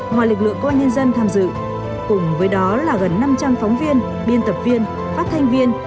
ngoài lực lượng công an nhân dân tham dự cùng với đó là gần năm trăm linh phóng viên biên tập viên phát thanh viên